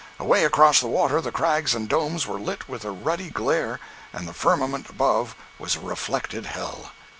Away across the water the crags and domes were lit with a ruddy glare, and the firmament above was a reflected hell!